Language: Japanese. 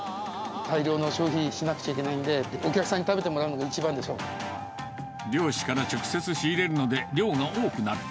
大量の消費しなくちゃいけないんで、お客さんに食べてもらうのが漁師から直接仕入れるので、量が多くなる。